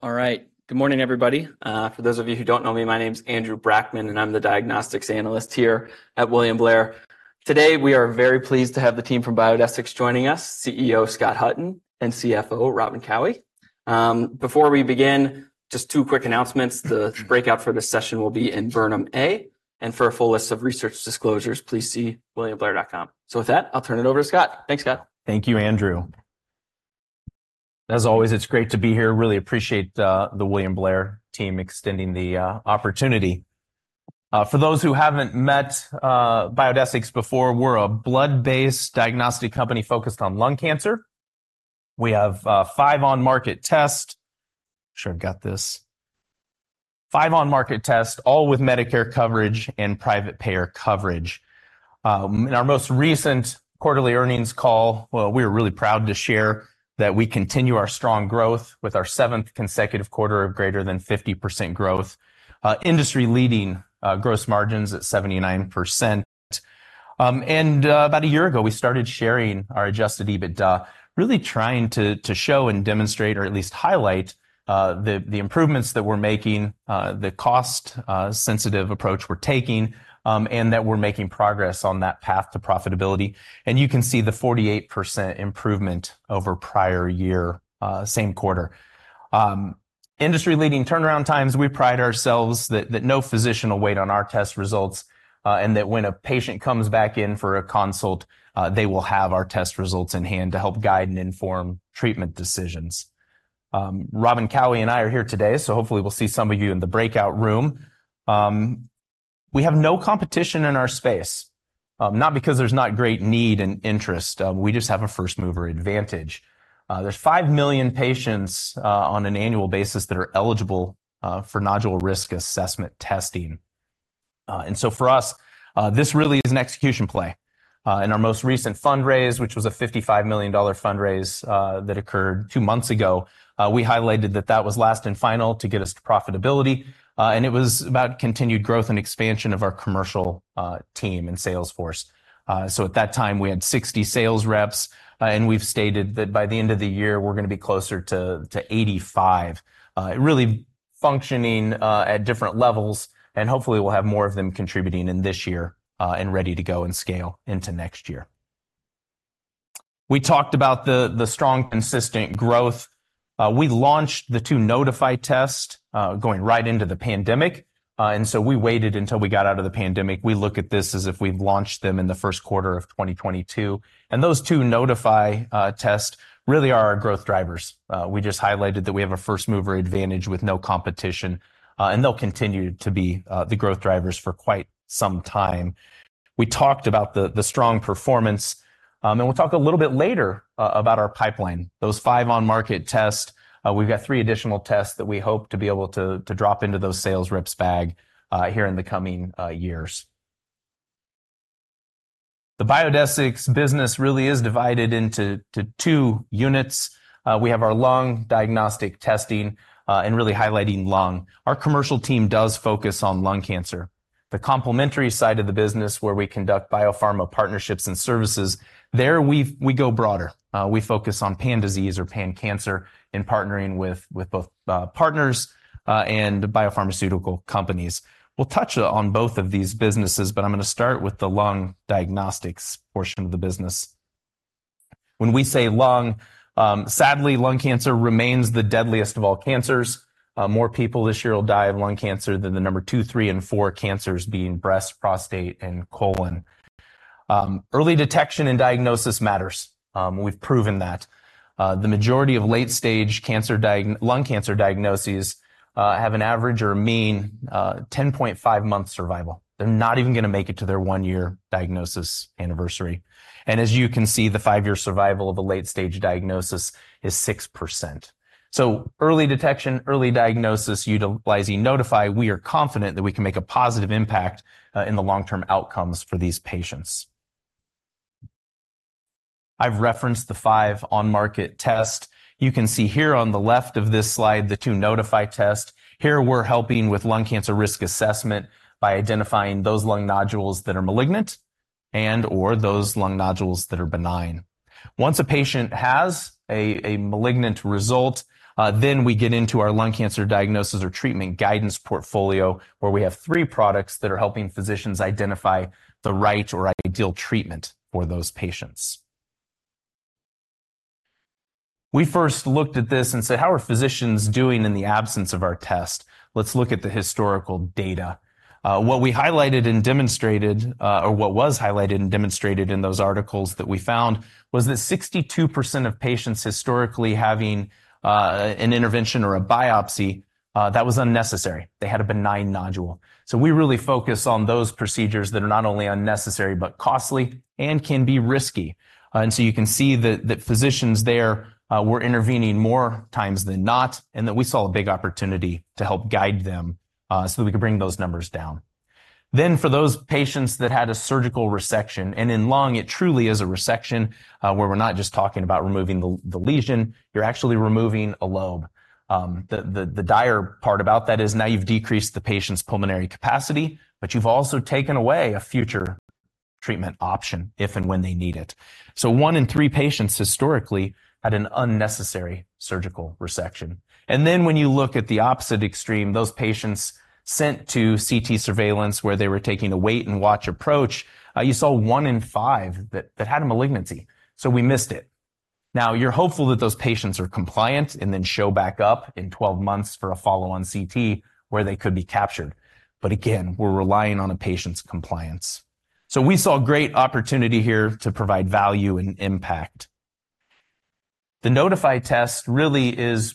All right. Good morning, everybody. For those of you who don't know me, my name is Andrew Brackmann, and I'm the Diagnostics Analyst here at William Blair. Today, we are very pleased to have the team from Biodesix joining us, CEO Scott Hutton and CFO Robin Cowie. Before we begin, just two quick announcements. The breakout for this session will be in Burnham A, and for a full list of research disclosures, please see williamblair.com. With that, I'll turn it over to Scott. Thanks, Scott. Thank you, Andrew. As always, it's great to be here. Really appreciate the William Blair team extending the opportunity. For those who haven't met Biodesix before, we're a blood-based diagnostic company focused on lung cancer. We have five on-market test. Five on-market test, all with Medicare coverage and private payer coverage. In our most recent quarterly earnings call, well, we were really proud to share that we continue our strong growth with our seventh consecutive quarter of greater than 50% growth, industry-leading gross margins at 79%. And about a year ago, we started sharing our Adjusted EBITDA, really trying to show and demonstrate or at least highlight the improvements that we're making, the cost sensitive approach we're taking, and that we're making progress on that path to profitability. You can see the 48% improvement over prior year, same quarter. Industry-leading turnaround times. We pride ourselves that, that no physician will wait on our test results, and that when a patient comes back in for a consult, they will have our test results in hand to help guide and inform treatment decisions. Robin Cowie and I are here today, so hopefully we'll see some of you in the breakout room. We have no competition in our space, not because there's not great need and interest. We just have a first-mover advantage. There's 5 million patients, on an annual basis that are eligible, for nodule risk assessment testing. And so for us, this really is an execution play. In our most recent fundraise, which was a $55 million fundraise, that occurred 2 months ago, we highlighted that that was last and final to get us to profitability, and it was about continued growth and expansion of our commercial team and sales force. So at that time, we had 60 sales reps, and we've stated that by the end of the year, we're going to be closer to 85, really functioning at different levels, and hopefully we'll have more of them contributing in this year, and ready to go and scale into next year. We talked about the strong, consistent growth. We launched the two Nodify tests, going right into the pandemic, and so we waited until we got out of the pandemic. We look at this as if we've launched them in the first quarter of 2022, and those two Nodify tests really are our growth drivers. We just highlighted that we have a first-mover advantage with no competition, and they'll continue to be the growth drivers for quite some time. We talked about the strong performance, and we'll talk a little bit later about our pipeline, those five on-market tests. We've got three additional tests that we hope to be able to drop into those sales reps' bag here in the coming years. The Biodesix business really is divided into two units. We have our lung diagnostic testing, and really highlighting lung. Our commercial team does focus on lung cancer. The complementary side of the business, where we conduct biopharma partnerships and services, there we go broader. We focus on pan-disease or pan-cancer in partnering with both partners and biopharmaceutical companies. We'll touch on both of these businesses, but I'm going to start with the lung diagnostics portion of the business. When we say lung, sadly, lung cancer remains the deadliest of all cancers. More people this year will die of lung cancer than the number two, three, and four cancers being breast, prostate, and colon. Early detection and diagnosis matters. We've proven that the majority of late-stage lung cancer diagnoses have an average or mean 10.5-month survival. They're not even going to make it to their 1-year diagnosis anniversary. And as you can see, the 5-year survival of a late-stage diagnosis is 6%. So early detection, early diagnosis, utilizing Nodify, we are confident that we can make a positive impact in the long-term outcomes for these patients. I've referenced the five on-market test. You can see here on the left of this slide, the two Nodify test. Here, we're helping with lung cancer risk assessment by identifying those lung nodules that are malignant and/or those lung nodules that are benign. Once a patient has a malignant result, then we get into our lung cancer diagnosis or treatment guidance portfolio, where we have three products that are helping physicians identify the right or ideal treatment for those patients. We first looked at this and said: How are physicians doing in the absence of our test? Let's look at the historical data. What we highlighted and demonstrated, or what was highlighted and demonstrated in those articles that we found was that 62% of patients historically having, an intervention or a biopsy, that was unnecessary. They had a benign nodule. So we really focus on those procedures that are not only unnecessary, but costly and can be risky. And so you can see that, that physicians there, were intervening more times than not, and that we saw a big opportunity to help guide them, so that we could bring those numbers down. Then, for those patients that had a surgical resection, and in lung, it truly is a resection, where we're not just talking about removing the lesion, you're actually removing a lobe. The dire part about that is now you've decreased the patient's pulmonary capacity, but you've also taken away a future treatment option if and when they need it. So one in three patients historically had an unnecessary surgical resection. And then when you look at the opposite extreme, those patients sent to CT surveillance, where they were taking a wait-and-watch approach, you saw one in five that had a malignancy, so we missed it. Now, you're hopeful that those patients are compliant and then show back up in 12 months for a follow-on CT where they could be captured. But again, we're relying on a patient's compliance. So we saw a great opportunity here to provide value and impact. The Nodify test really is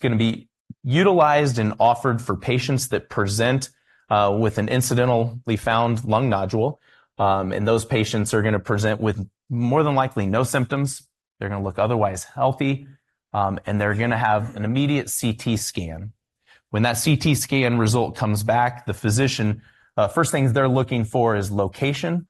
gonna be utilized and offered for patients that present with an incidentally found lung nodule, and those patients are gonna present with more than likely no symptoms. They're gonna look otherwise healthy, and they're gonna have an immediate CT scan. When that CT scan result comes back, the physician first things they're looking for is location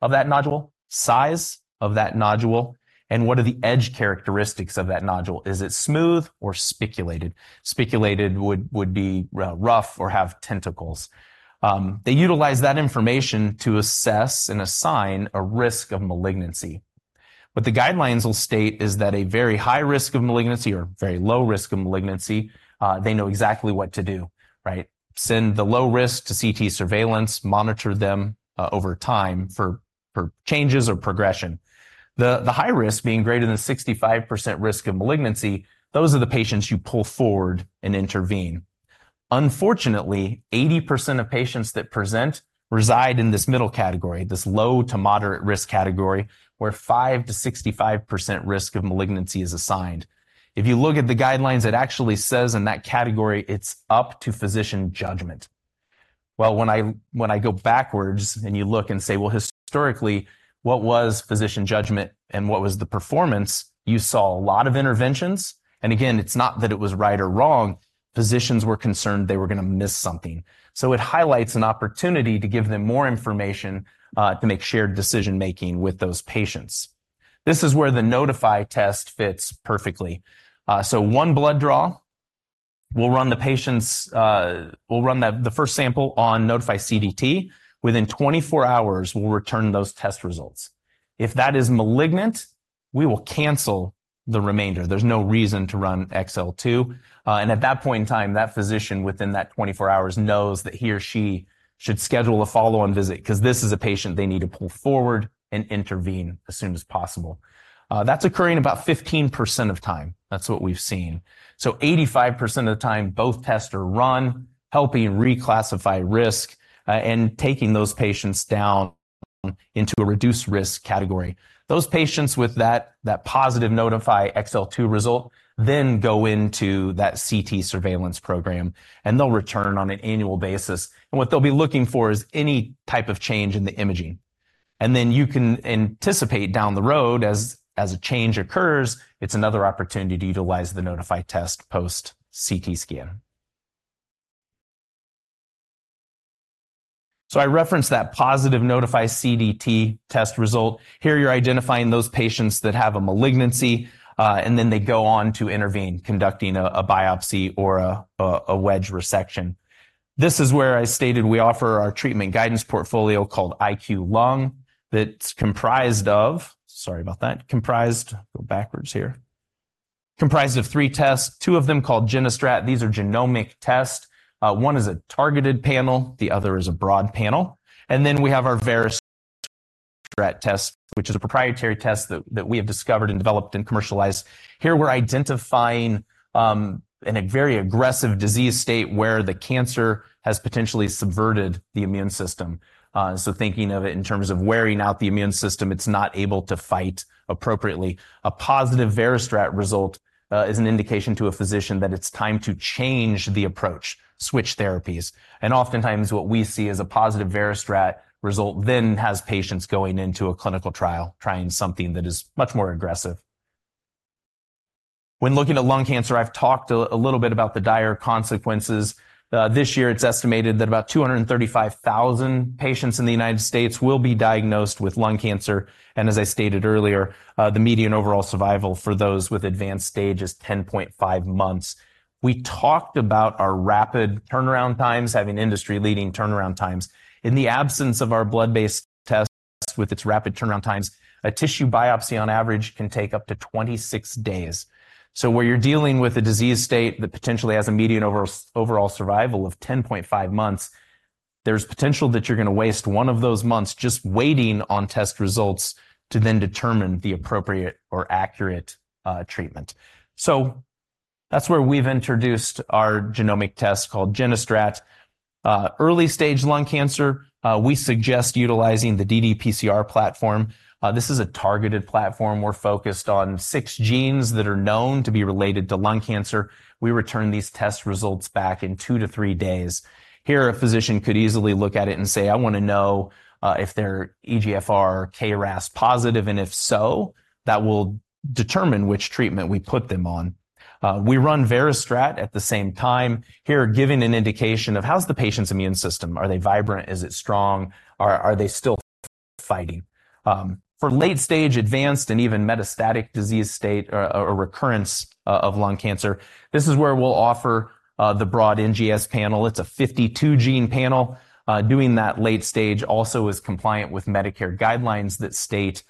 of that nodule, size of that nodule, and what are the edge characteristics of that nodule? Is it smooth or spiculated? Spiculated would be rough or have tentacles. They utilize that information to assess and assign a risk of malignancy. What the guidelines will state is that a very high risk of malignancy or very low risk of malignancy, they know exactly what to do, right? Send the low risk to CT surveillance, monitor them over time for changes or progression. The high risk being greater than 65% risk of malignancy, those are the patients you pull forward and intervene. Unfortunately, 80% of patients that present reside in this middle category, this low to moderate risk category, where 5%-65% risk of malignancy is assigned. If you look at the guidelines, it actually says in that category, it's up to physician judgment. Well, when I go backwards and you look and say: well, historically, what was physician judgment and what was the performance? You saw a lot of interventions. And again, it's not that it was right or wrong, physicians were concerned they were gonna miss something. So it highlights an opportunity to give them more information to make shared decision-making with those patients. This is where the Nodify test fits perfectly. So one blood draw, we'll run the patient's, we'll run that, the first sample on Nodify CDT. Within 24 hours, we'll return those test results. If that is malignant, we will cancel the remainder. There's no reason to run XL2. And at that point in time, that physician, within that 24 hours, knows that he or she should schedule a follow-on visit because this is a patient they need to pull forward and intervene as soon as possible. That's occurring about 15% of time. That's what we've seen. So 85% of the time, both tests are run, helping reclassify risk, and taking those patients down into a reduced risk category. Those patients with that, that positive Nodify XL2 result, then go into that CT surveillance program, and they'll return on an annual basis. What they'll be looking for is any type of change in the imaging. Then you can anticipate down the road, as a change occurs, it's another opportunity to utilize the Nodify test post CT scan. I referenced that positive Nodify CDT test result. Here, you're identifying those patients that have a malignancy, and then they go on to intervene, conducting a biopsy or a wedge resection. This is where I stated we offer our treatment guidance portfolio, called IQLung, that's comprised of, Sorry about that. Comprised- backwards here. Comprised of three tests, two of them called GeneStrat. These are genomic test. One is a targeted panel, the other is a broad panel. And then we have our VeriStrat test, which is a proprietary test that we have discovered and developed and commercialized. Here, we're identifying in a very aggressive disease state where the cancer has potentially subverted the immune system. So thinking of it in terms of wearing out the immune system, it's not able to fight appropriately. A positive VeriStrat result is an indication to a physician that it's time to change the approach, switch therapies. Oftentimes, what we see is a positive VeriStrat result then has patients going into a clinical trial, trying something that is much more aggressive. When looking at lung cancer, I've talked a little bit about the dire consequences. This year, it's estimated that about 235,000 patients in the United States will be diagnosed with lung cancer, and as I stated earlier, the median overall survival for those with advanced stage is 10.5 months. We talked about our rapid turnaround times, having industry-leading turnaround times. In the absence of our blood-based test with its rapid turnaround times, a tissue biopsy, on average, can take up to 26 days. So where you're dealing with a disease state that potentially has a median overall survival of 10.5 months, there's potential that you're gonna waste one of those months just waiting on test results to then determine the appropriate or accurate, treatment. So that's where we've introduced our genomic test called GeneStrat. Early-stage lung cancer, we suggest utilizing the ddPCR platform. This is a targeted platform. We're focused on six genes that are known to be related to lung cancer. We return these test results back in two to three days. Here, a physician could easily look at it and say: "I want to know if they're EGFR, KRAS positive, and if so, that will determine which treatment we put them on." We run VeriStrat at the same time, here, giving an indication of how's the patient's immune system? Are they vibrant? Is it strong? Are they still fighting. For late-stage, advanced, and even metastatic disease state or recurrence of lung cancer, this is where we'll offer the broad NGS panel. It's a 52-gene panel. Doing that late stage also is compliant with Medicare guidelines that state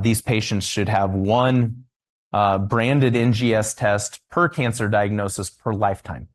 these patients should have one branded NGS test per cancer diagnosis per lifetime.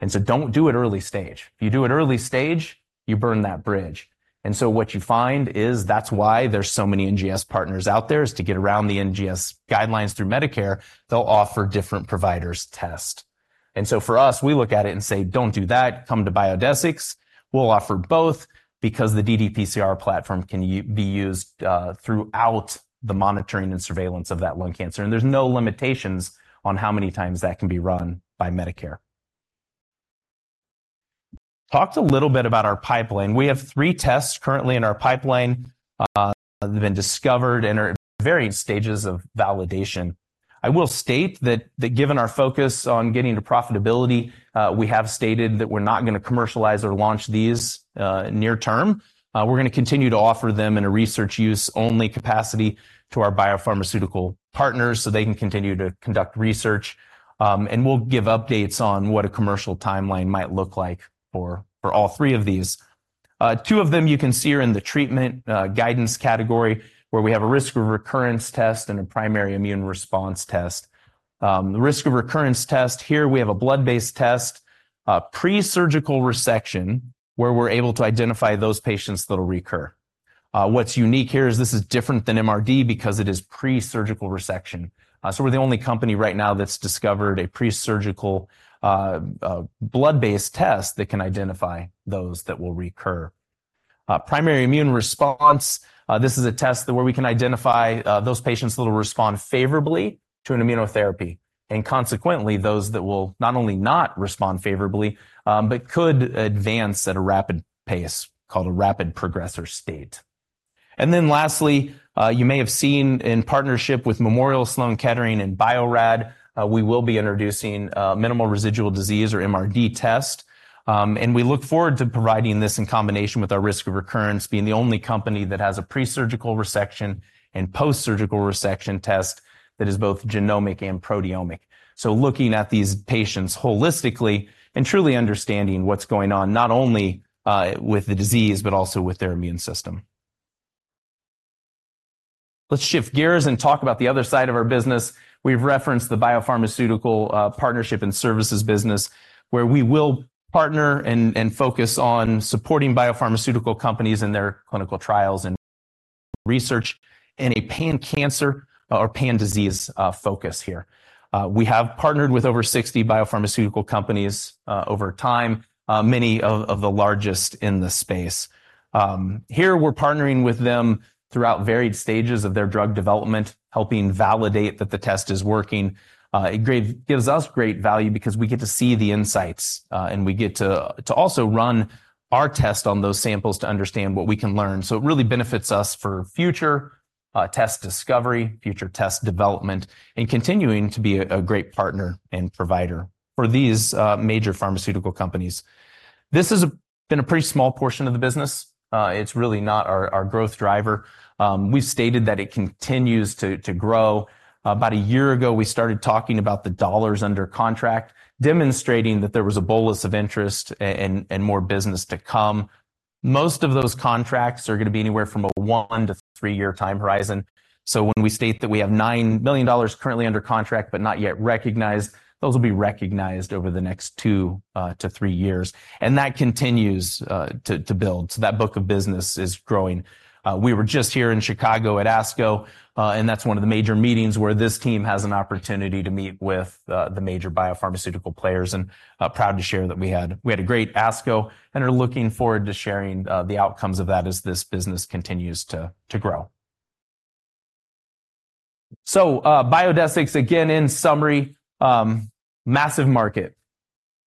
And so don't do it early stage. If you do it early stage, you burn that bridge. And so what you find is that's why there's so many NGS partners out there, is to get around the NGS guidelines through Medicare, they'll offer different providers test. And so for us, we look at it and say, "Don't do that. Come to Biodesix. We'll offer both," because the ddPCR platform can be used throughout the monitoring and surveillance of that lung cancer, and there's no limitations on how many times that can be run by Medicare. Talked a little bit about our pipeline. We have three tests currently in our pipeline, that have been discovered and are at varying stages of validation. I will state that, that given our focus on getting to profitability, we have stated that we're not gonna commercialize or launch these, near term. We're gonna continue to offer them in a research-use-only capacity to our biopharmaceutical partners, so they can continue to conduct research. We'll give updates on what a commercial timeline might look like for all three of these. Two of them you can see are in the treatment guidance category, where we have a Risk of Recurrence test and a Primary Immune Response test. The Risk of Recurrence test here, we have a blood-based test, a pre-surgical resection, where we're able to identify those patients that'll recur. What's unique here is this is different than MRD because it is pre-surgical resection. We're the only company right now that's discovered a pre-surgical blood-based test that can identify those that will recur. Primary Immune Response, this is a test that where we can identify, those patients that will respond favorably to an immunotherapy, and consequently, those that will not only not respond favorably, but could advance at a rapid pace, called a rapid progressor state. And then lastly, you may have seen in partnership with Memorial Sloan Kettering and Bio-Rad, we will be introducing, Minimal Residual Disease, or MRD test. And we look forward to providing this in combination with our Risk of Recurrence, being the only company that has a pre-surgical resection and post-surgical resection test that is both genomic and proteomic. So looking at these patients holistically and truly understanding what's going on, not only, with the disease, but also with their immune system. Let's shift gears and talk about the other side of our business. We've referenced the biopharmaceutical, partnership and services business, where we will partner and focus on supporting biopharmaceutical companies in their clinical trials and research in a pan-cancer or pan-disease focus here. We have partnered with over 60 biopharmaceutical companies, over time, many of the largest in the space. Here, we're partnering with them throughout varied stages of their drug development, helping validate that the test is working. It gives us great value because we get to see the insights, and we get to also run our test on those samples to understand what we can learn. So it really benefits us for future test discovery, future test development, and continuing to be a great partner and provider for these major pharmaceutical companies. This has been a pretty small portion of the business. It's really not our growth driver. We've stated that it continues to grow. About a year ago, we started talking about the dollars under contract, demonstrating that there was a bolus of interest and more business to come. Most of those contracts are gonna be anywhere from a one to three year time horizon. So when we state that we have $9 million currently under contract, but not yet recognized, those will be recognized over the next two to three years, and that continues to build. So that book of business is growing. We were just here in Chicago at ASCO, and that's one of the major meetings where this team has an opportunity to meet with the major biopharmaceutical players, and proud to share that we had. We had a great ASCO and are looking forward to sharing the outcomes of that as this business continues to grow. So, Biodesix, again, in summary, massive market.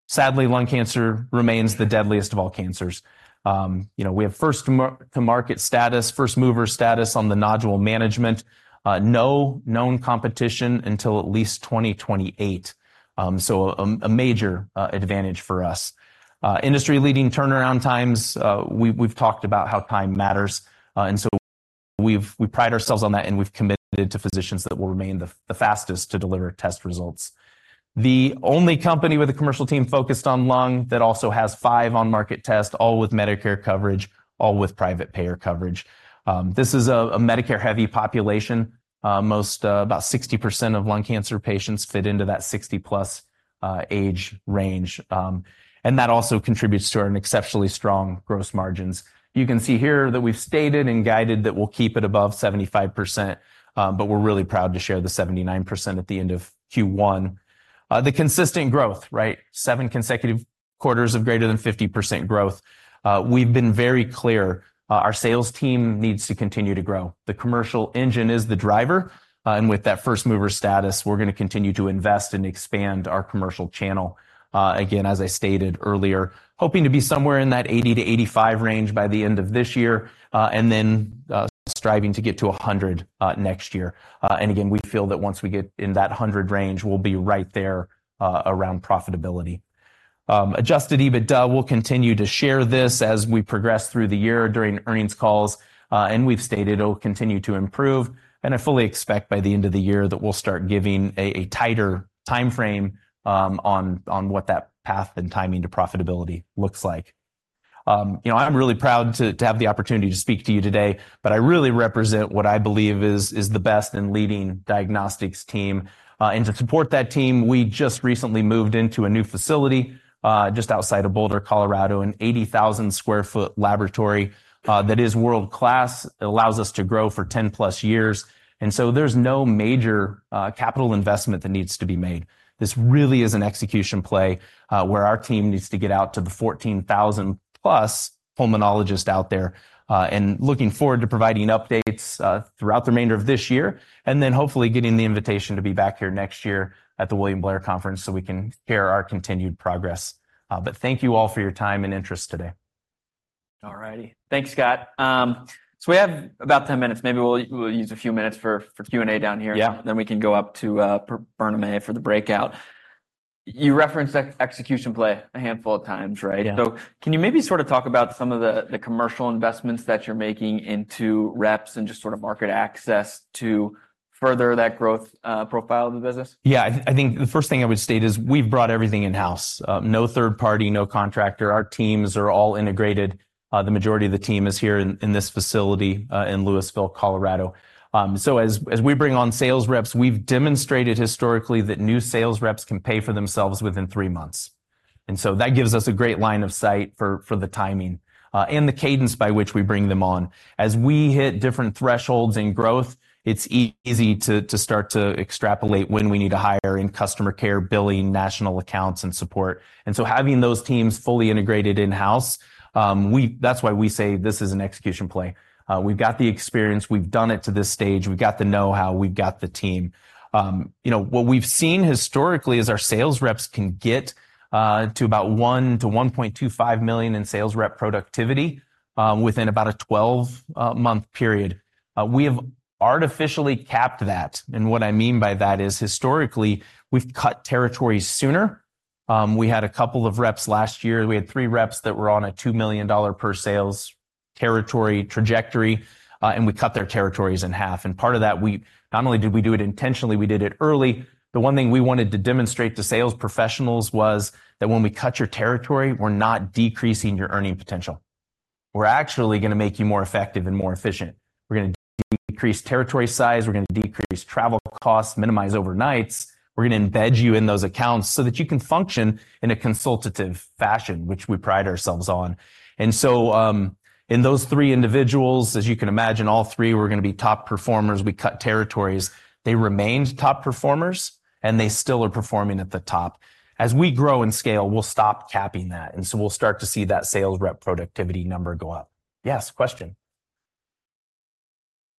Sadly, lung cancer remains the deadliest of all cancers. You know, we have first-to-market status, first-mover status on the nodule management. No known competition until at least 2028. So a major advantage for us. Industry-leading turnaround times. We've talked about how time matters, and so we've pride ourselves on that, and we've committed to physicians that we'll remain the fastest to deliver test results. The only company with a commercial team focused on lung that also has five on-market tests, all with Medicare coverage, all with private payer coverage. This is a Medicare-heavy population. Most about 60% of lung cancer patients fit into that 60+ age range, and that also contributes to our exceptionally strong gross margins. You can see here that we've stated and guided that we'll keep it above 75%, but we're really proud to share the 79% at the end of Q1. The consistent growth, right? Seven consecutive quarters of greater than 50% growth. We've been very clear, our sales team needs to continue to grow. The commercial engine is the driver, and with that first-mover status, we're gonna continue to invest and expand our commercial channel. Again, as I stated earlier, hoping to be somewhere in that 80-85 range by the end of this year, and then, striving to get to 100 next year. And again, we feel that once we get in that hundred range, we'll be right there, around profitability. Adjusted EBITDA, we'll continue to share this as we progress through the year during earnings calls, and we've stated it'll continue to improve, and I fully expect by the end of the year that we'll start giving a tighter timeframe, on what that path and timing to profitability looks like. You know, I'm really proud to have the opportunity to speak to you today, but I really represent what I believe is the best in leading diagnostics team. And to support that team, we just recently moved into a new facility, just outside of Boulder, Colorado, an 80,000-square-foot laboratory, that is world-class. It allows us to grow for 10+ years, and so there's no major capital investment that needs to be made. This really is an execution play, where our team needs to get out to the 14,000+ pulmonologists out there, and looking forward to providing updates throughout the remainder of this year, and then hopefully getting the invitation to be back here next year at the William Blair Conference, so we can share our continued progress. But thank you all for your time and interest today. All righty. Thanks, Scott. So we have about 10 minutes. Maybe we'll use a few minutes for Q&A down here. Yeah. Then we can go up to Burnham A. for the breakout. You referenced execution play a handful of times, right? Yeah. Can you maybe sort of talk about some of the commercial investments that you're making into reps and just sort of market access to further that growth profile of the business? Yeah, I think the first thing I would state is we've brought everything in-house, no third party, no contractor. Our teams are all integrated. The majority of the team is here in this facility in Louisville, Colorado. So as we bring on sales reps, we've demonstrated historically that new sales reps can pay for themselves within three months. And so that gives us a great line of sight for the timing and the cadence by which we bring them on. As we hit different thresholds in growth, it's easy to start to extrapolate when we need to hire in customer care, billing, national accounts, and support. And so having those teams fully integrated in-house, that's why we say this is an execution play. We've got the experience, we've done it to this stage, we've got the know-how, we've got the team. You know, what we've seen historically is our sales reps can get to about $1-$1.25 million in sales rep productivity, within about a 12-month period. We have artificially capped that, and what I mean by that is, historically, we've cut territories sooner. We had a couple of reps last year. We had 3 reps that were on a $2 million per sales territory trajectory, and we cut their territories in half. Part of that, not only did we do it intentionally, we did it early. The one thing we wanted to demonstrate to sales professionals was that when we cut your territory, we're not decreasing your earning potential. We're actually going to make you more effective and more efficient. We're going to decrease territory size, we're going to decrease travel costs, minimize overnights. We're going to embed you in those accounts so that you can function in a consultative fashion, which we pride ourselves on. And so, in those three individuals, as you can imagine, all three were going to be top performers. We cut territories. They remained top performers, and they still are performing at the top. As we grow in scale, we'll stop capping that, and so we'll start to see that sales rep productivity number go up. Yes, question?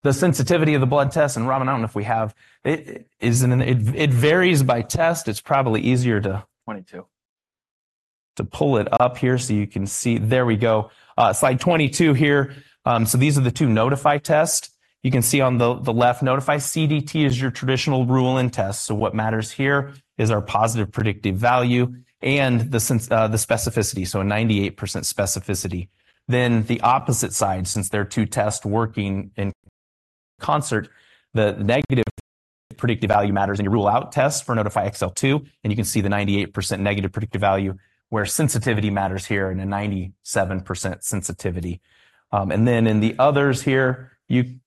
The sensitivity of the blood test, and Robin, I don't know if we have, It varies by test. It's probably easier to 22. To pull it up here, so you can see. There we go. Slide 22 here. So these are the two Nodify tests. You can see on the left, Nodify CDT is your traditional rule in test. So what matters here is our positive predictive value and the specificity, so a 98% specificity. Then the opposite side, since there are two tests working in concert, the negative predictive value matters, and you rule out tests for Nodify XL2, and you can see the 98% negative predictive value, where sensitivity matters here in a 97% sensitivity. And then in the others here, then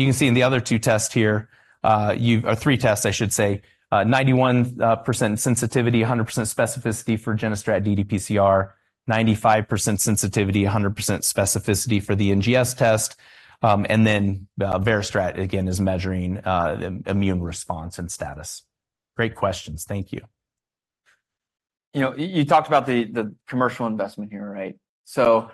you can see in the other two tests here, or three tests, I should say. 91% sensitivity, 100% specificity for GeneStrat, ddPCR, 95% sensitivity, 100% specificity for the NGS test, and then VeriStrat, again, is measuring the immune response and status. Great questions. Thank you. You know, you talked about the commercial investment here, right? So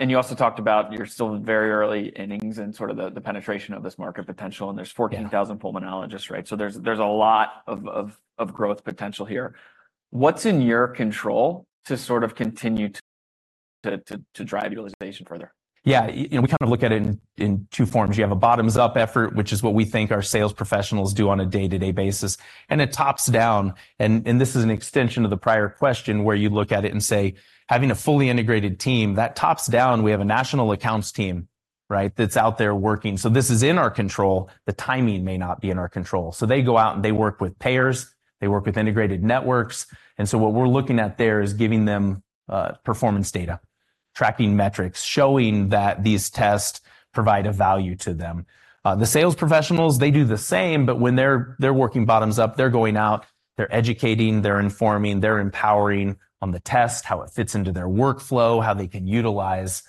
and you also talked about you're still in the very early innings and sort of the penetration of this market potential, and there's 14,000 pulmonologists, right? So there's a lot of growth potential here. What's in your control to sort of continue to drive utilization further? Yeah, you know, we kind of look at it in two forms. You have a bottoms-up effort, which is what we think our sales professionals do on a day-to-day basis, and it tops down. And this is an extension of the prior question, where you look at it and say, having a fully integrated team, that tops down, we have a national accounts team, right? That's out there working. So this is in our control. The timing may not be in our control. So they go out and they work with payers, they work with integrated networks, and so what we're looking at there is giving them performance data, tracking metrics, showing that these tests provide a value to them. The sales professionals, they do the same, but when they're working bottoms up, they're going out, they're educating, they're informing, they're empowering on the test, how it fits into their workflow, how they can utilize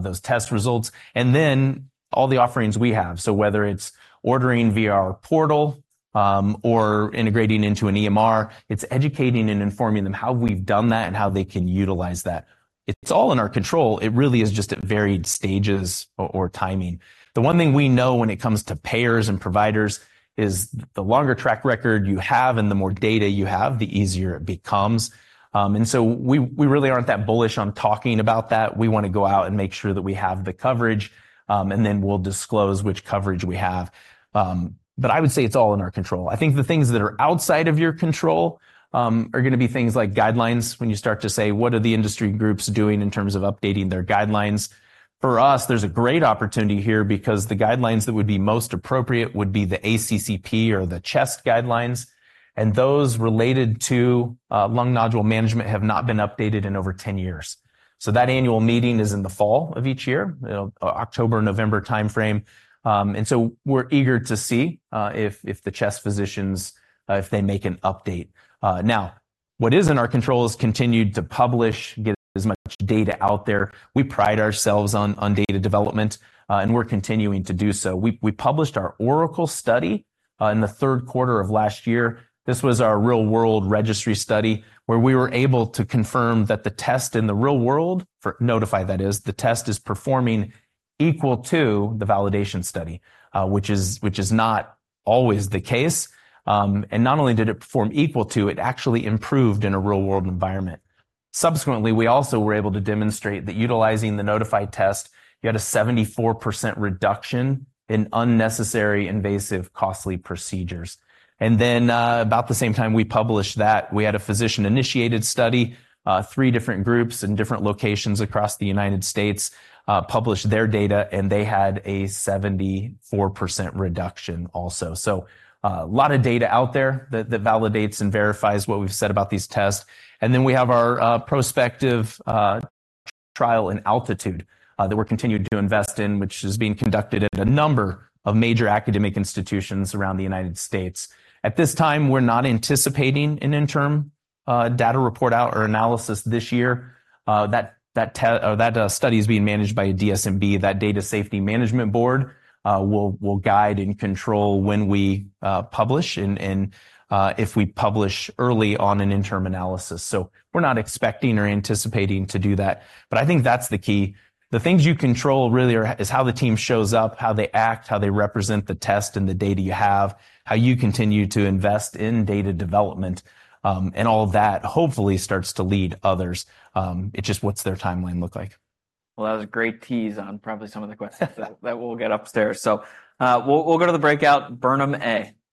those test results, and then all the offerings we have. So whether it's ordering via our portal or integrating into an EMR, it's educating and informing them how we've done that and how they can utilize that. It's all in our control. It really is just at varied stages or timing. The one thing we know when it comes to payers and providers is the longer track record you have and the more data you have, the easier it becomes. And so we really aren't that bullish on talking about that. We want to go out and make sure that we have the coverage, and then we'll disclose which coverage we have. But I would say it's all in our control. I think the things that are outside of your control are going to be things like guidelines, when you start to say: What are the industry groups doing in terms of updating their guidelines? For us, there's a great opportunity here because the guidelines that would be most appropriate would be the ACCP or the CHEST guidelines, and those related to lung nodule management have not been updated in over 10 years. So that annual meeting is in the fall of each year, October, November timeframe. And so we're eager to see if the Chest physicians make an update. Now, what is in our control is continued to publish, get as much data out there. We pride ourselves on, on data development, and we're continuing to do so. We published our ORACLE study in the third quarter of last year. This was our real-world registry study, where we were able to confirm that the test in the real world, for Nodify, that is, the test is performing equal to the validation study, which is not always the case. And not only did it perform equal to, it actually improved in a real-world environment. Subsequently, we also were able to demonstrate that utilizing the Nodify test, you had a 74% reduction in unnecessary, invasive, costly procedures. And then, about the same time we published that, we had a physician-initiated study, three different groups in different locations across the United States, published their data, and they had a 74% reduction also. So, a lot of data out there that validates and verifies what we've said about these tests. And then we have our prospective trial, ALTITUDE, that we're continuing to invest in, which is being conducted at a number of major academic institutions around the United States. At this time, we're not anticipating an interim data report out or analysis this year. That study is being managed by a DSMB. That Data Safety Management Board will guide and control when we publish and if we publish early on an interim analysis. So we're not expecting or anticipating to do that, but I think that's the key. The things you control really are, is how the team shows up, how they act, how they represent the test and the data you have, how you continue to invest in data development, and all of that hopefully starts to lead others. It's just what's their timeline look like? Well, that was a great tease on probably some of the questions that we'll get upstairs. So, we'll go to the breakout, Burnham A.